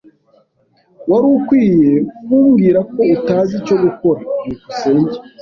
Wari ukwiye kumbwira ko utazi icyo gukora. byukusenge